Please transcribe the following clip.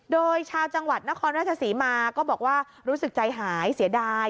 โดยชาวจังหวัดนครราชศรีมาก็บอกว่ารู้สึกใจหายเสียดาย